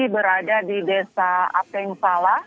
berada di desa apeng sala